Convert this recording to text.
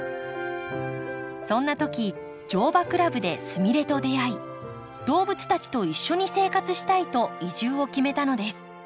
そんなとき乗馬クラブですみれと出会い動物たちと一緒に生活したいと移住を決めたのです。